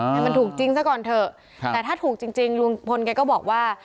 ให้มันถูกจริงซะก่อนเถอะแต่ถ้าถูกจริงลุงพลแกก็บอกว่า